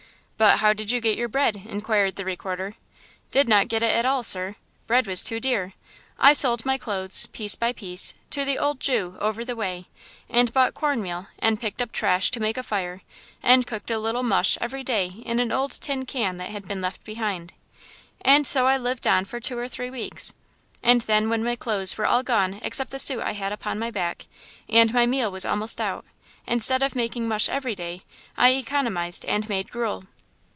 "But how did you get your bread?" inquired the Recorder. "Did not get it at all, sir. Bread was too dear! I sold my clothes, piece by piece, to the old Jew over the way and bought corn meal and picked up trash to make a fire and cooked a little mush every day in an old tin can that had been left behind. And so I lived on for two or three weeks. And then when my clothes were all gone except the suit I had upon my back, and my meal was almost out, instead of making mush every day I economized and made gruel."